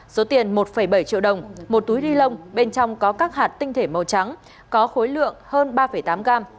số tiền một bảy triệu đồng một túi ni lông bên trong có các hạt tinh thể màu trắng có khối lượng hơn ba tám gram